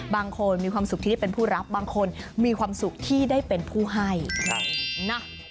บางคนมีความสุขที่ได้เป็นผู้รับบางคนมีความสุขที่ได้เป็นผู้ให้นะ